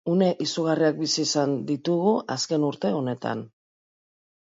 Une izugarriak bizi izan ditugu azken urte honetan.